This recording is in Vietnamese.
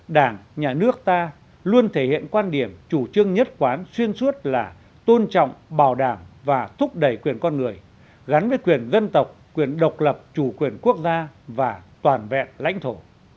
đảng nhà nước ta luôn thể hiện quan điểm chủ trương nhất quán xuyên suốt là tôn trọng bảo đảm và thúc đẩy quyền con người gắn với quyền dân tộc quyền độc lập chủ quyền quốc gia và toàn vẹn lãnh thổ